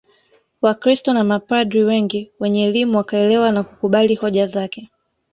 Wakristo na mapadri wengi wenye elimu wakaelewa na kukubali hoja zake